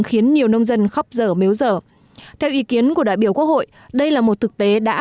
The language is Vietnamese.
khiến nhiều nông dân khóc dở mếu dở theo ý kiến của đại biểu quốc hội đây là một thực tế đã